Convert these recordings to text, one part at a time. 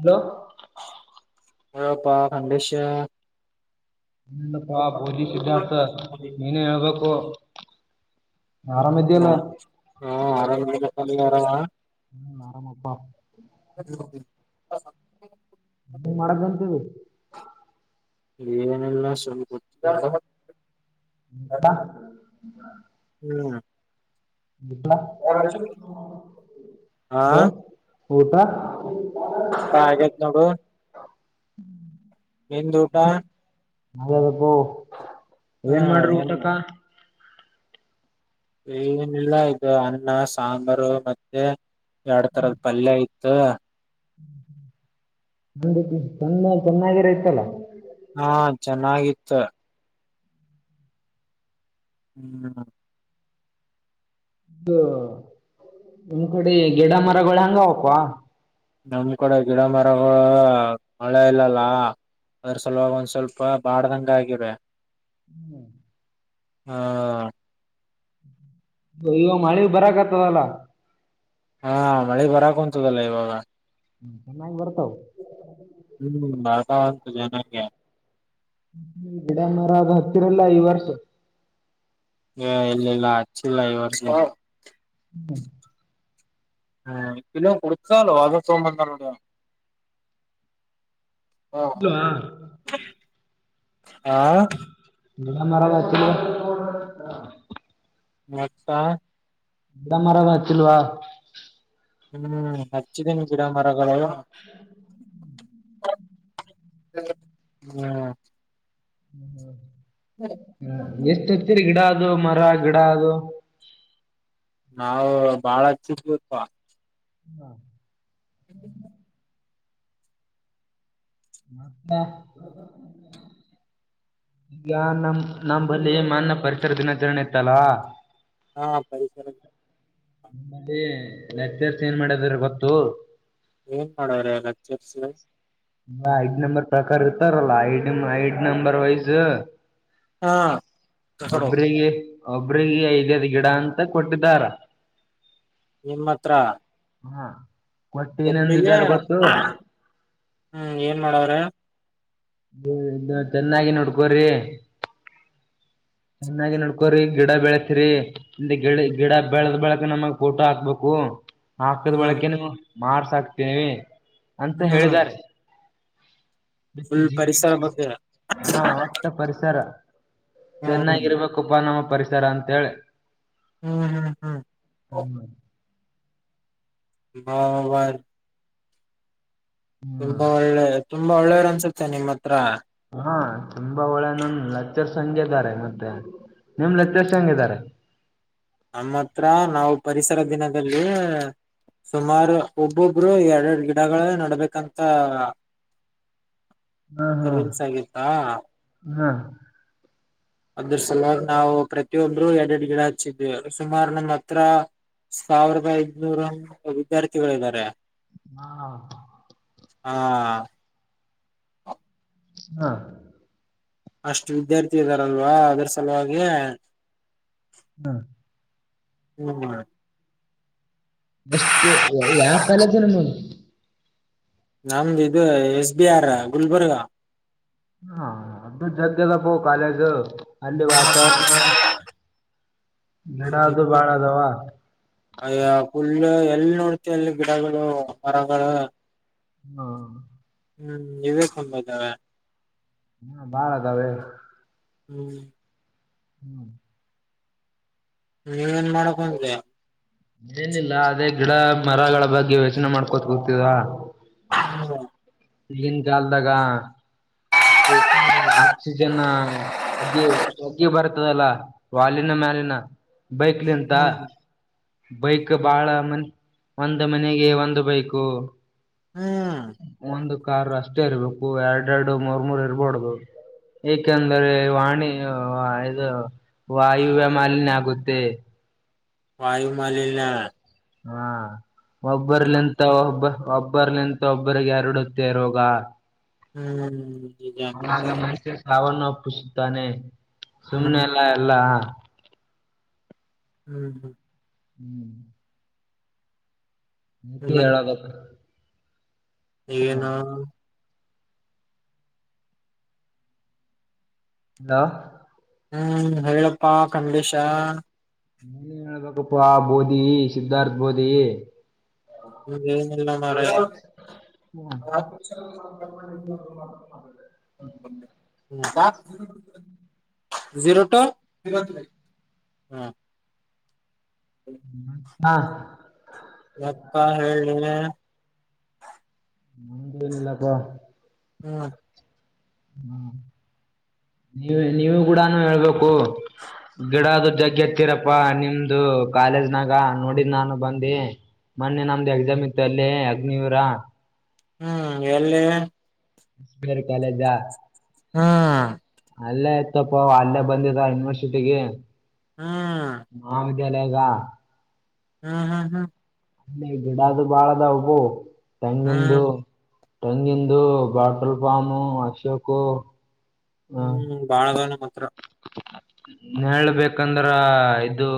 Hello ಹೇಳಪ ನಂದೀಶ ನಪ್ಪಾ ಬೋಜಿ ಸಿದ್ಧಾರ್ಥ ನೀನೇ ಹೇಳ್ಬೇಕು ಆರಾಮ ಆರಾಮಿದ್ಯಲ್ಲ ಇದೀರಾ ಹಂ ಆರಾಮ್ ಇದೀವಿ ಪ್ಪಾ ನೀನು ಆರಾಮ ಹ್ಮ ಆರಾಮಪ್ಪಾ [inaudible] ಎನ್ ಮಾಡಕುಂತಿದಿ. ಏನೆಲ್ಲ ಸುಮ್. [unintelligible] ತಾ ಹ್ಮ್ ಊಟ ಹಾ ಹಲೋ ಊಟ. ಊಟ ಆಗೈತಿ ನೋಡು. ಹ್ಮ ನಿಂದು ಊಟಾ. ಹಲೋ ಅಬ್ಬೋ ಏನ್ ಮಾಡ್ರಿ ಊಟಕ್ಕ. ಏನಿಲ್ಲ ಇದು ಅನ್ನ ಸಾಂಬಾರು ಮತ್ತೆ ಎರಡ್ ತರದ ಪಲ್ಯ ಐತ ಲೇ [inaudible] ನಂದ ಚನ್ನ ಚೆನ್ನಾಗಿರೋ ಇತಲ್ಲ ಹಾ ಚೆನ್ನಾಗಿತ್ತು ಹ್ಮ್ ಇದು ನಿಮ್ ಕಡೆ ಗಿಡ ಮರಗಳು ಹಂಗ ಹಕ್ವಾ ನಮ್ ಕೂಡ ಗಿಡ ಮರಗಳು ಮಳೆ ಇಲ್ಲಲ್ಲ ಅದ್ರ ಸಲುವಾಗ ಒಂದ್ ಸ್ವಲ್ಪ ಬಾಡ್ದಂಗ ಆಗೆದೇ ಹ್ಮ್ ಹಾ ಮಳಿ ಬರಕತದಲ. ಹಾ ಮಳಿ ಬರಕುಂತದಲ ಇವಾಗ. ಹ್ಮ ಚೆನ್ನಾಗಿ ಬರ್ತಾವ. ಹ್ಮ್ [unintelligible] ಜನಕ್ಕೆ. ಹುಂ ಗಿಡ ಮರ ಅದ ಹತ್ತಿರಲ್ ಈ ವರ್ಷ. ಏ ಇಲ್ಲ ಇಲ್ಲ ಹಚ್ಚಿಲ್ಲ ಇ ವರ್ಷ. [inaudible] ಹ [unintelligible] ತೊಂಬಂದಾನ್ ನೋಡಿವ. ಹಾ ಇಲ್ವಾ ಹಾ ಗಿಡ ಮರ ಎಲ್ಲ ಅತ್ತಿಲ್ಲೆನ್ಲೇ. [inaudible] ಮತ್ತ. ಗಿಡ ಮರಗಳ ಅತ್ತಿಲ್ವ. ಹ್ಮ್ ಹಚ್ಚಿದ್ದೀನಿ ಗಿಡ ಮರಗಳು. ಹ್ಮ್ [unintelligible] ಎಷ್ಟ ಹತ್ತೀರಿ ಗಿಡ ಅದು ಮರ ಗಿಡ ಅದು. ನಾವು ಬಾಳಚ್ಚು ಗತ್ವಾ. ಹಾ [inaudible] ಮತ್ತ ಈಗ ನಮ ನಮ್ಮ ಬಲ್ಲಿ ಮನ್ನೆ ಪರಿಸರ ದಿನಾಚರಣೆ ಇತ್ತಲ್ಲ. ಹಾ ಪರಿಸರ ಮಾಡಿ ಲೆಕ್ಚರ್ಸ್ ಏನ್ ಮಾಡದ್ರ ಗೊತ್ತು. ಏನ್ ಮಾಡೋ್ರ ಲೆಕ್ಚರ್ಸ್. ಐಡ್ ನಂಬರ್ ಪ್ರಕಾರ ಇರ್ತಾರಲ್ಲ ಐ ಐಡ್ ನಂಬರ್ ವೈಸ್. ಹಾ ಕಕಡು ಒಬ್ರಿಗೆ ಒಬ್ರಿಗೆ ಐದದ್ ಗಿಡ ಅಂತ ಕೊಟ್ಟಿದ್ದಾರ. ನಿಮ್ಮ ಹತ್ರ. ಹಾ ಕೊಟ್ಟು ಒಬ್ರಿಗೆ ಏನೆಂದಾರ ಗೊತ್ತು. ಹ್ಮ್ ಏನ್ ಮಾಡವ್ರೇ. ಇ ಚೆನ್ನಾಗಿ ನೋಡ್ಕೋ್ರಿ. ಚೆನ್ನಾಗಿ ನೋಡ್ಕೋರಿ ಗಿಡ ಬೆಳೆಸ್ರರಿ. ಇ ಗಿಡ ಗಿಡ ಬೆಳೆದ ಬೆಳಕ ನಮಗ್ ಫೋಟೋ ಹಾಕ್ಬೇಕು. ಹಾಕದ ಹ್ಮ್ ಬಳಕೆನು ಮಾರ್ಸಾಕ್ತೀನವಿ ಅಂತ ಹ್ಮ್ ಹೇಳಿದಿದ್ದಾರೆ. ಫುಲ್ ಪರಿಸರ ಬಗ್ಗೆ ಹಾ ಪಟ್ಟ ಪರಿಸರ ಹ್ಮ್ ಚೆನ್ನಾಗಿರ್ಬೇಕ ಉಪ್ಪ ನಮ್ಮ ಪರಿಸರ ಅಂತೇಳಿ ಹ್ಮ್ ಹ್ಮ್ ಹ್ಮ್ ಹ್ಮ ಹಿಬಲ್ ಹ್ಮ್ ತುಂಬಾ ಒಳ್ಳೆ ತುಂಬಾ ಒಳ್ಳೆಯವರ್ ಅನ್ಸುತ್ತೆ ನಿಮ್ಮ ಹತ್ರ. ಹಾ ತುಂಬಾ ಒಳ್ಳೆ ನನ್ ಲೆಚ್ಚರ್ಸ್ ಹಂಗ ಇದಾರೆ ಮತ್ತೆ ನಿಮ್ ಲೆಚ್ಚರ್ಸ್ ಹೆಂಗಿದರೆ. ನಮ್ಮ ಹತ್ರ ನಾವು ಪರಿಸರ ದಿನದಲ್ಲಿ. ಸುಮಾರು ಒಬ್ಬೊಬ್ರು ಎರರಡು ಗಿಡಗಳ ನಡಡ್ಬೇಕಂತ ಹಾ ಹಾ ರೂಲ್ಸ್ ಆಗತ್ತಾ ಹಾ ಅದ್ರ ಸಲ ನಾವು ಪ್ರತೊಂದ್ರು ಎರಡ್ ಎರಡ್ ಗಿಡ ಹಚ್ಚಿದವಿ ಸುಮಾರ ನ ಅತ್ರ ಸಾವಿರದ ಐದನೂರ ವಿದ್ಯಾರ್ಥಿಗಳಾರೆ ಹಾ ಹೌದು ಹಾ ಹಾ ಅಷ್ಟು ವಿದ್ಯಾರ್ಥಿ ಇದ್ದಾರಲ್ವಾ ಅದ್ರ ಸಲುವಾಗಿ ಹ್ಮ ಹ್ಮ ಮಾಡ್ ಎಷ್ಟು ಯಾವ ಪಲದಿನ ನಮ್ದ ಇದು ಎಸ್ ಬಿ ಆರ್ ಗುಲ್ಬರ್ಗ ಹಾ ಅದು ಜಗ್ಗಗ ಪ ಕಾಲೇಜ್ ಅಲ್ಲಿ ವಾತಾವರಣ ನಡ ಅದು ಬಾಳ ಅದವಾ ುಲ್ಲ ಎಲ್ಲಿ ನೋಡ್ತಿ ಎಲ್ಲಿ ಗಿಡಗಳು ಮರಗಳು ಹಾ ಹ್ಮ್ ಇದೇ ತುಂಬ್ದಾವ ಹಾ ಬಾಳ ಅದಾವೆ ಹ್ಮ್ ಹ್ಮ್ ನೀವೇನ್ ಮಾಡಕ್ಂದ್ರಾ ಏನಿಲ್ಲ ಅದೇ ಗಿಡ ಮರಗಳ ಬಗ್ಗೆ ಯೋಚನೆ ಮಾಡ್ಕೋತ ಹೋಗ್ತಿದವಾ ಹ್ಮ ಇಲ್ಲಿನ್ ಕಲ್ದಾಗ ಆಕ್ಸಿಜನ್ ಒಗ್ಗಿ ಒಗ್ಗಿ ಬರ್ತದಲ್ಲ ವಾಲಿನ ಮ್ಯಾಲಿನ ಬೈಕ್ಲಿಂತ ಹ್ಮ್ ಬೈಕ್ ಬಹಳ ಮ ಒಂದು ಮನೆಗೆ ಒಂದು ಬೈಕು ಹ್ಮ ಒಂದು ಕಾರ್ ಅಷ್ಟೇ ಇರ್ಬೇಕು ಎರಡ್ ಎರಡು ಮೂರ್ ಮೂರ್ ಇರಬೋಡುದು ಏಕೆಂದ್ರೆ ವಾಣಿ ಇದು ವಾಯುವ್ಯ ಮಾಲಿಿನ್ಯ ಆಗುತ್ತೆ ವಾಯು ಮಾಲಿನ್ಯ ಹಾ ಒಬ್ಬರ್ಲಿಂತ ಮ ಒಬ್ಬ ಒಬ್ಬರ್ ನಿಂತ ಒಬ್ಬರಿಗೆ ಎರಡುತ್ತ ಇರುವೋಗ ಹ್ಮ್ ನಿಜ ನಿಜ ಮ ಸಾವಣ ಪುಸುತ್ತಾನೆ ಹ್ಮ್ ಸುಮ್ಮ್ನೆಲ್ಲ ಎಲ್ಲಾ ಹ್ಮ್ ಹ್ಮ್ [inaudible] ಹ್ಮ್ ನತಿ ಮತ್ ಹೇಳಬೇಕ ಏನು ಅಲ ಹ್ಮ್ ಹೇಳಪ್ಪಾ ಖಂಡೇಶ ನೀನ್ ಹೇಳ್ಬೇಕಪ್ಪ ಬೋದಿ ಸಿದ್ಧಾರ್ಥ ಬೋದಿ ಹನ ಎಲ್ಲ ಮರ ಹ್ಮ ಮಾತ್ರ ಹ್ಮ ಹ್ಮ ಜೀರೋ ಟು ಜೋರ್ ತ್ರೀ ಹೆ ಹಾ ಮತ್ತ ಹೇಳಿ ನೀನೆ ನ್ದು ಏನಿಲ್ಲಾಪ್ಪ ಹ್ಮ್ ಹ್ಮ ನೀವ ನೀವು ಕೂಡಾನ ಹೇಳ್ಬೇಕು ಗಿಡದು ಜಗ್ಗೆ ಎತ್ತೀರಪ್ಪಾ ನಿಮ್ದು ಕಾಲೇಜ್ನಾಗ ನೋಡ್ ನಾನು ಬಂದ ಮೊನ್ನೆ ನಮ್ದು ಎಕ್ಸಾಮ್ ಇತ್ತು ಅಲ್ಲೇ ಅಗ್ನೂವಿರ ಹ್ಮ್ ಎಲ್ಲಿ ಬೇರೆ ಕಾಲೇಜಾ ಹಾ ಅಲ್ಲೇ ಆಯ್ತಪ್ಪ ಅಲ್ಲೇ ಬಂದಿದ ಯೂನಿವರ್ಸಿಟಿಗೆ ಹ್ಮ್ ಬೆಳಗ ಹ್ಮ್ ಹ್ಮ್ ಹ್ಮ್ ಇ ಗಿಡದು ಬಾಳದ ಉಬ ತಂಗಂದು ಹ್ಮ್ ತಂಗಿಂದು ಬಾಟಲ್ ಪಾಮು ಅಶೋಕ ಹ್ಮ್ ಬಾಳ ಜನ ಮಾತ್ರ ಹೇಳ್ಬೇಕಂದ್ರ ಇದು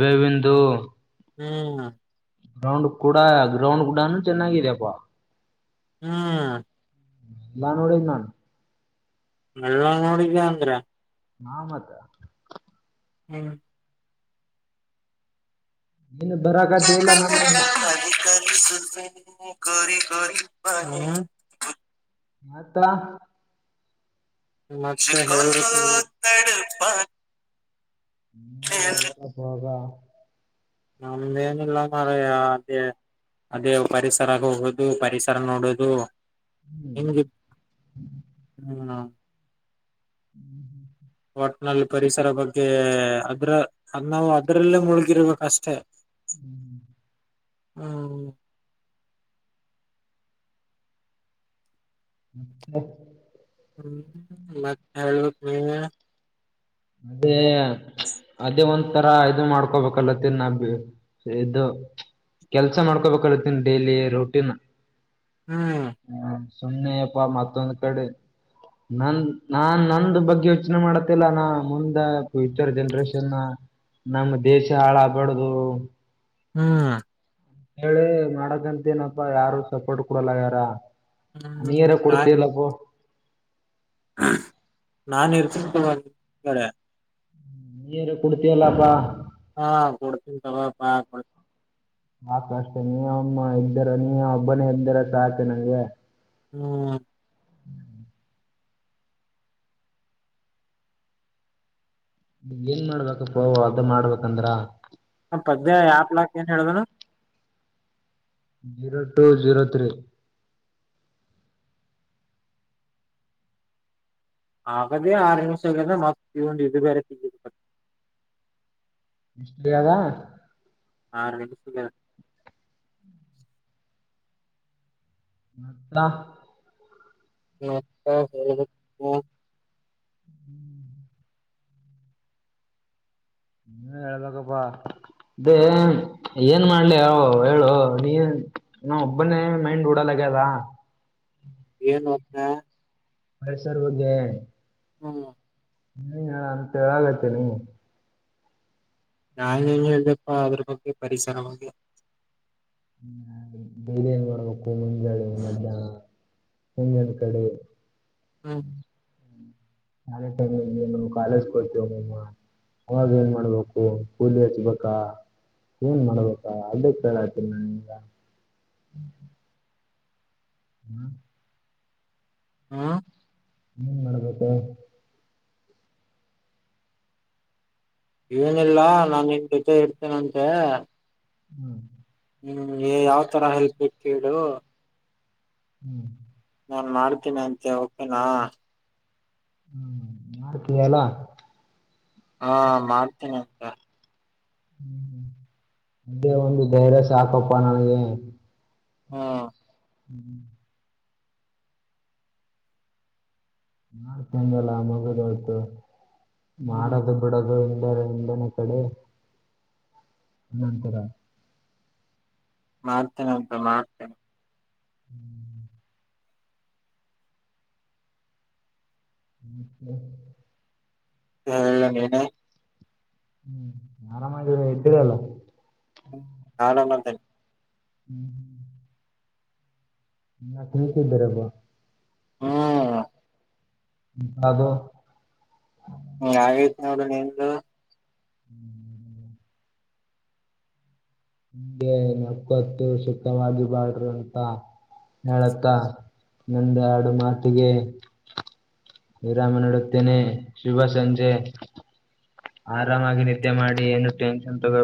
ಬೇವಂದು ಹ್ಮ್ ಗ್ರೌಂಡ್ ಕೂಡ ಗ್ರೌಂಡ್ ಕೂಡನು ಚೆನ್ನಾಗಿದೆಪ್ಪಾ ಹ್ಮ್ ನಾ ನೋಡ ನಾನು ಎಲ್ಲ ನೋಡಿದ ಅಂದ್ರ ನ ಮತ ಹ್ಮ ನೀನ್ ಬರಾಕತಿ ಇಲ್ಲ ನಮ್ಮನ್ನ [inaudible] ಮತ್ [inaudible] ನೀನೇ ಹೇಳಬೇಕಪ್ಪ ನಮ್ದೇನಿಲ್ಲ ಮಾರಾಯಾ ಅದೇ ಅದೇ ಪರಿಸರ ಹೋಗೋದು ಪರಿಸರ ನೋಡೋದು ಹ್ಮ [inaudible] ಒಟ್ನಲ್ಲಿ ಪರಿಸರ ಬಗ್ಗೆ ಅದ್ರ ಅದ ನಾವು ಅದ್ರಲ್ಲೇ ಮುಳುಗಿರ್ಬೇಕ ಅಷ್ಟೇ [inaudible] ಹ್ಮ ಹ್ಮ್ ಹ್ಮ್ ಮತ್ತ ಹೇಳ್ಬೇಕ್ ನೀನೆ ಅದೇ ಅದೇ ಒಂತರ ಇದು ಮಾಡ್ಕೊಬೇಕಲ್ಲ [unintelligible] ಇದು ಕೆಲ್ಸ ಮಾಡ್ಕೋಬೇಕಾಗತ್ತೀನಿ ಡೈಲಿ ರೋಟೀನ್ ಹ್ಮ್ ಹ್ಮ ಸುಮ್ಮ್ನೆಯಪ್ಪಾ ಮತ್ತೊಂದ್ ಕಡೆ ನನ್ ನಾನ್ ನಂದು ಬಗ್ಗೆ ಯೋಚನೆ ಮಾಡತ್ತಲ್ಲ ನಾ ಮುಂದ ಫ್ಯೂಚರ್ ಜನ್ರೇಷನ ನಮ್ಮ ದೇಶ ಹಾಳಾಗಬಾರ್ದು ಹ್ಮ್ ಹೇಳಿ ಮಾಡಕಂತ ಅಪ್ಪಾ ಯಾರು ಸಪೋರ್ಟ್ ಕೊಡಲ್ಲ ಯಾರ ನೀ ಹ್ಮ್ ಯಾರ ಕೊಡ್ತಿಯಲ್ಲಪ್ಪೋ ನಾ ಇರ್ತನಿ ನಿನ್ ಕಡೆ ನೀಯರ ಕೊಡ್ತಿಯಲ್ಲಪ್ಪ ಹಾ ಕೊಡ್ತೀನಿ ತಗೋಪಾ ಕೊಡ್ತಿನಿ ಸಾಕ ಅಷ್ಟೆ ನೀ ಅಮ್ಮ ಇದದ್ದರ ನೀ ಓಬ್ಬನೇ ಇದ್ದಾರ ಸಾಕು ನಂಗೆ ಹ್ಮ್ ಏನ್ ಮಾಡ್ಬೇಕಪ್ಪವು ಅದ ಮಾಡ್ಬೇಕಂದ್ರ ಆ ಪದ್ಯ ಆಪ್ ಲಾಕ್ ಏನ್ ಹೇಳ್ದನು ಜಿರೋ ಟು ಜೀರೋ ತ್ರೀ ಹಾಗದೇ ಆರು ನಿಮಿಷ ಆಗದ ಮತ್ ಇವಂದ್ ಇದು ಬೇರೆ ತಿಂಡಿ ಇಷ್ಟೇ ಆದ ಹ ಸಿಗ [unintelligible] ತ ಮತ್ತಾ ಬೇರೆದು ಹ್ಮ್ [inaudible] ನೀನೇ ಹೇಳ ಬೇಕ್ಕಪ್ಪಾ ಏನ್ ಮಾಡ್ಲಿಯೋ ಹೇಳೋ ನೀನ್ ನಾ ಒಬ್ಬನೇ ಮೈಂಡ್ ಓಡಲ್ಲಾಗ ಅದ ಏನ್ ಒಬ್ನೇ ಹೆಸರು ಹುದ್ದೆ ಹೂ ಹ ಅಂತ ಹೇಳಗೈತಿ ನೀವು ಯಾರಿಗೆ ಹೇಳ್ದಪ್ಪಾ ಅದ್ರ ಬಗ್ಗೆ ಪರಿಸರವಾಗಿ ಬೇರೆಂಗ ಬರ್ಬೇಕು ಮುಂಜೆ ಮ ಮುಂಜ ಕಡೆ ಹಾ ಕಾಲೇಜು ಟೈಮ್ ಅಲ್ಲಿ ನಿಮ್ ಕಾಲೇಜ್ ಹೋಯ್ತಿಯಲ್ಲಮ್ಮ ಅವಾಗ ಏನ್ ಮಾಡ್ಬೇಕು ಕೂಲಿ ಹಚ್ಬೇಕಾ ಏನ್ ಮಾಡ್ಬೇಕ ಅದು ಕೇಳಕ ಕೊಡ್ತೀನಿ ನಾನ್ ಹೂ ಹಾ ಹೂ ಗೊತ್ತಾಗಲ್ಲ ಏನಿಲ್ಲಾ ನಾನ್ ನಿನ್ ಜೊತೆ ಇರತೇನಂತೆ ಹೂ ಹೇ ಯಾವ್ ತರ ಹೆಲ್ಪ್ ಬೇಕ ಕೇಳು ಹೂ ನಾನ್ ಮಾಡ್ತೇನಿ ಅಂತೆ ಓಕೇನಾ ಹೂ ಮಾಡ್ತೀನಿ ಅಲ್ಲಾ ಹಾ ಮಾಡ್ತೇನೆ ಅಂತೆ ಹೂ ಅದೇ ಒಂದು ಧೈರ್ಯ ಸಾ ಸಾಕಪ್ಪ ನನಗೆ ಹಾ ಹೂ ಮಾಡ್ತಂಗಲ್ಲ ಮಗದ ಹೊಯತು ಹ್ಮ್ ಮಾಡದು ಕೊಡೋದು ಇಂದ ಎಂದನೇ ಕೊಡು ನಂತರ ಮಾಡ್ತೇನೆ ಅಂತೆ ಮಾಡ್ತೇನೆ ಹೂ ಮತ್ತೆ ಹೇಳ ನೀನೆ ಹೂ ಆರಾಮಾಗಿಯೇ ಇದೆಲ್ಲ ಆಡಲಂತೆ ಹೂ ಹೂ ನ ತಿಂತಿದ್ದೇರಬ್ಬಂತ ಹ್ಮ್ ಹೂ ಆಯ್ತು ಹೋಗ್ ಯತಿ ನೋಡ್ ಹೆಂಗ ಹೂ ನಿಗೆ ನಪ್ಪತ್ತು ಸುಖವಾಗಿ ಭಳ್ರೋ ಅಂತ ಹೇಳಕ್ಕ ನಂದು ಆಾಡು ಮಾತಿಗೆ ವಿರಾಮ ನಿಡುತ್ತೇನೆ ಶುಭ ಸಂಜೆ ಆರಾಮಾಗಿ ನಿದ್ದೆ ಮಾಡಿ ಏನು ಟೆನ್ಷನ್ ತಗೊಂಡ